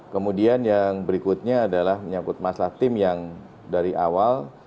kemudian yang berikutnya adalah menyangkut masalah tim yang dari awal